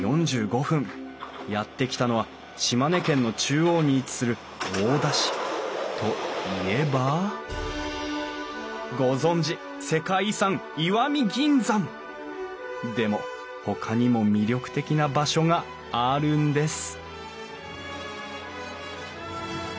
やって来たのは島根県の中央に位置する大田市。といえばご存じ世界遺産石見銀山！でもほかにも魅力的な場所があるんです